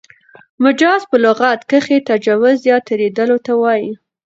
مجاز په لغت کښي تجاوز یا تېرېدلو ته وايي.